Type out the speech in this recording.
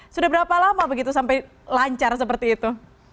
sudah berapa lama begitu sampai lancar seperti itu